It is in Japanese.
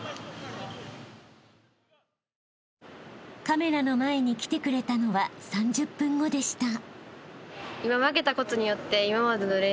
［カメラの前に来てくれたのは３０分後でした］